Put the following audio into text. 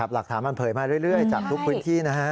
หลักฐานมันเผยมาเรื่อยจากทุกพื้นที่นะฮะ